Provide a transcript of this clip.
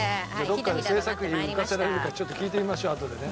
どっかで制作費浮かせられるかちょっと聞いてみましょうあとでね。